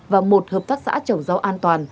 và một hợp tác xã trồng rau an toàn